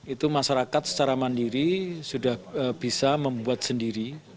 itu masyarakat secara mandiri sudah bisa membuat sendiri